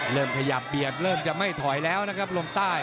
เริ่มขยับเบียดเริ่มจะไม่ถอยแล้วนะครับลงใต้